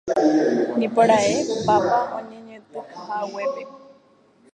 nipora'e papa oñeñotỹhaguépe